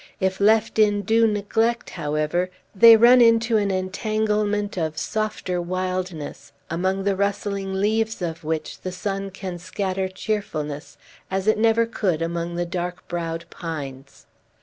If left in due neglect, however, they run into an entanglement of softer wildness, among the rustling leaves of which the sun can scatter cheerfulness as it never could among the dark browed pines.